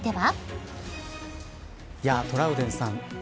ぜトラウデンさん